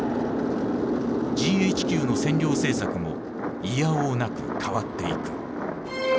ＧＨＱの占領政策もいやおうなく変わっていく。